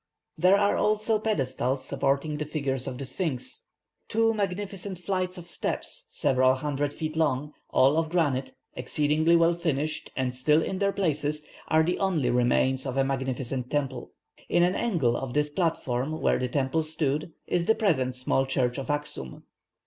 "There are also pedestals supporting the figures of the Sphinx. Two magnificent flights of steps, several hundred feet long, all of granite, exceedingly well finished, and still in their places, are the only remains of a magnificent temple. In an angle of this platform where the temple stood, is the present small church of Axum.